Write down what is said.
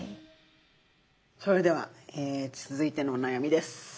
それでは続いてのお悩みです。